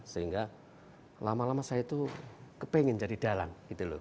sehingga lama lama saya itu kepengen jadi dalang